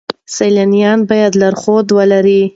سیلانیان باید لارښود ولرئ.